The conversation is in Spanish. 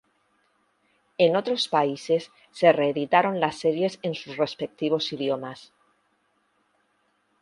En otros países se reeditaron las series en sus respectivos idiomas.